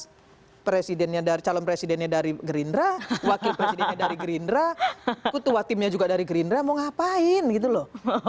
wakil presidennya calon presidennya dari gerindra wakil presidennya dari gerindra kutu wakimnya juga dari gerindra mau ngapain gitu loh